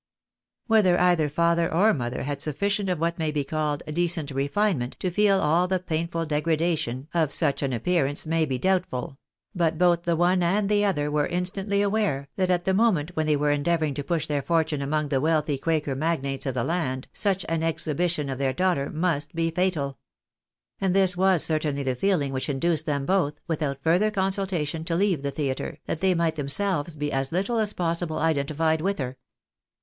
Whether either father or mother had suflScient of what may be called decent refinement, to feel all the painful degradation of such an appearance, may be doubtful ; but both the one and the other PATTY MAKES HER FIEST APPEARANCE. 253 were instantly aware, that at the moment when they were endea vouring to push their fortune among the wealthy quaker magnates of the land, such an exhibition of their daughter must be fatal. And this was certainly the feeling which induced them both, with out further consultation, to leave the theatre, that they might themselves be as little as possible identified with her.